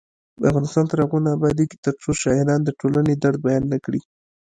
افغانستان تر هغو نه ابادیږي، ترڅو شاعران د ټولنې درد بیان نکړي.